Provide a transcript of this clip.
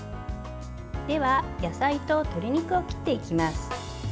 では野菜と鶏肉を切っていきます。